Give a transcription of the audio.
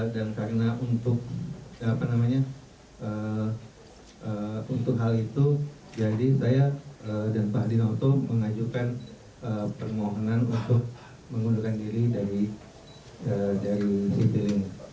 dan karena untuk hal itu jadi saya dan pak dinauto mengajukan permohonan untuk mengundurkan diri dari citilink